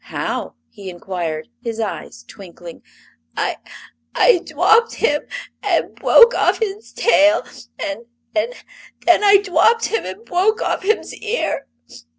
"How?" he inquired, his eyes twinkling. "I I dwopped him, an' bwoke off him's tail; an' an' then I dwopped him an' bwoke off him's ear!